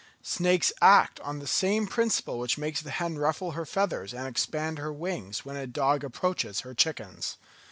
Snakes act on the same principle which makes the hen ruffle her feathers and expand her wings when a dog approaches her chickens.